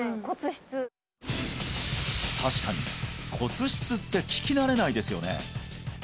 骨質確かに骨質って聞き慣れないですよね